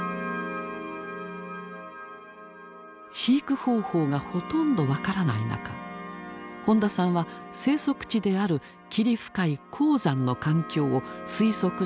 飼育方法がほとんど分からない中本田さんは生息地である霧深い高山の環境を推測してつくり上げた。